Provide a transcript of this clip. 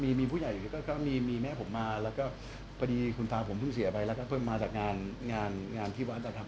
ใช่ค่ะมีผู้ใหญ่อยู่กันก็มีแม่ผมมาแล้วก็พอดีคุณพาผมเพิ่งเสียไปแล้วก็มาจากงานที่วัดนะครับ